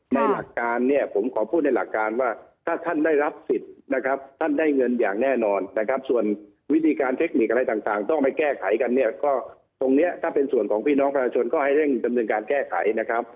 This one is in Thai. หลักการเนี่ยผมขอพูดในหลักการว่าถ้าท่านได้รับสิทธิ์นะครับท่านได้เงินอย่างแน่นอนนะครับส่วนวิธีการเทคนิคอะไรต่างต้องไปแก้ไขกันเนี่ยก็ตรงนี้ถ้าเป็นส่วนของพี่น้องประชาชนก็ให้เร่งดำเนินการแก้ไขนะครับ